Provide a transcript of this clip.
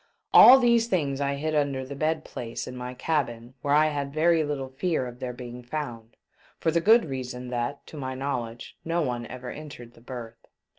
All these things I hid under the bed place in my cabin, where I had very little fear of their being found ; for the good reason that, to my knowledge, no one ever entered the berth.